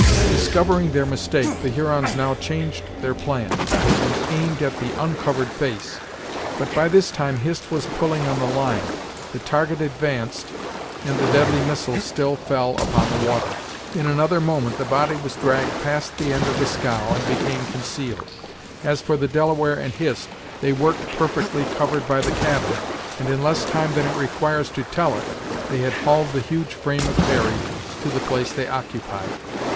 Discovering their mistake, the Hurons now changed their plan, and aimed at the uncovered face; but by this time Hist was pulling on the line, the target advanced and the deadly missiles still fell upon the water. In another moment the body was dragged past the end of the scow and became concealed. As for the Delaware and Hist, they worked perfectly covered by the cabin, and in less time than it requires to tell it, they had hauled the huge frame of Harry to the place they occupied.